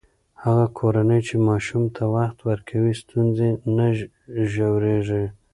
هغه کورنۍ چې ماشوم ته وخت ورکوي، ستونزې نه ژورېږي.